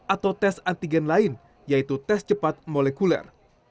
atau tes antigen lain yaitu tes cepat molekuler